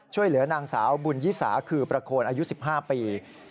ช่วยเหลือนางสาวบุญยิสาคือประโคนอายุ๑๕ปี